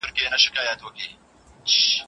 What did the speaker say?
ابن خلدون د ټولنپوهني مخکښ عالم ګڼل کیږي.